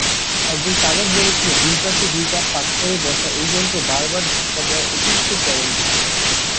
একজন চালক বলেছিল দুই পাশে দুই পা ফাঁক করে বসা এই যন্ত্র বারবার ধাক্কা দেওয়া অতিরিক্ত চরণযুঘল।